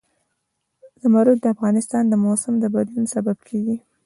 زمرد د افغانستان د موسم د بدلون سبب کېږي.